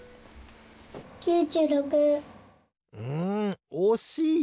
んおしい！